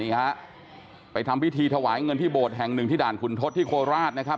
ฮะไปทำพิธีถวายเงินที่โบสถ์แห่งหนึ่งที่ด่านขุนทศที่โคราชนะครับ